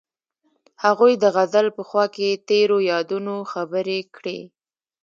هغوی د غزل په خوا کې تیرو یادونو خبرې کړې.